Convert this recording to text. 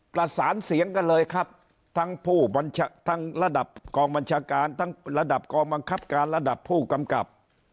ประสานเสียงกันเลยครับทั้งผู้บัญทั้งระดับกองบัญชาการทั้งระดับกองบังคับการระดับผู้กำกับ